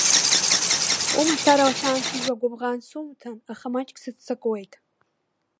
Умацара уахьаансыжьуа гәыбӷан сумҭан, аха маҷк сыццакуеит.